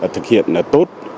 thực hiện tốt